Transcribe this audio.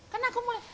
karena aku mulai